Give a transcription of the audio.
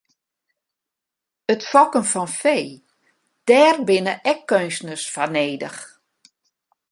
It fokken fan fee, dêr binne ek keunstners foar nedich.